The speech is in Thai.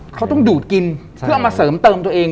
เขาต้องดูดกินเพื่อเอามาเสริมเติมตัวเอง